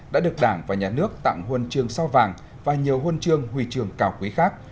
đã được đảng và nhà nước tặng huân trường sao vàng và nhiều huân chương huy trường cao quý khác